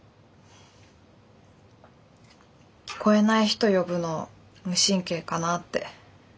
聞こえない人呼ぶの無神経かなって。